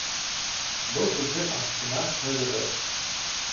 Был һүҙҙең аҫтына һыҙығыҙ!